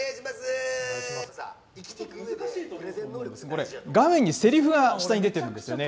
これ、画面にセリフが下に出てるんですよね。